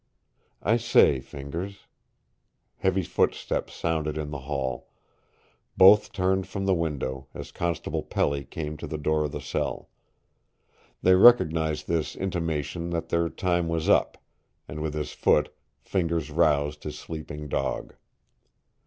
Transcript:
I say, Fingers " Heavy footsteps sounded in the hall. Both turned from the window as Constable Pelly came to the door of the cell. They recognized this intimation that their time was up, and with his foot Fingers roused his sleeping dog.